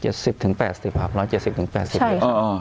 เจ็ดสิบถึงแปดสิบครับร้อยเจ็ดสิบถึงแปดสิบใช่ค่ะอ่อ